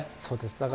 そうです。